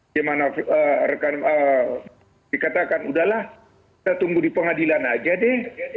gimana rekan dikatakan udahlah kita tunggu di pengadilan aja deh